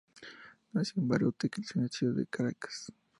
Nació en Baruta y creció en la ciudad de Caracas.